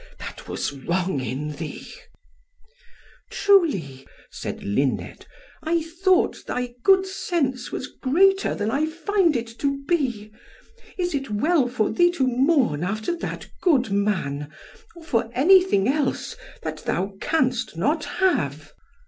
That was wrong in thee." "Truly," said Luned, "I thought thy good sense was greater than I find it to be. Is it well for thee to mourn after that good man, or for anything else, that thou canst not have?"